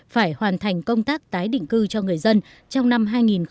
phải hoàn thành công tác tái định cư cho người dân trong năm hai nghìn một mươi chín